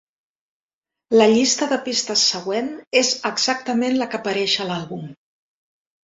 La llista de pistes següent és exactament la que apareix a l'àlbum.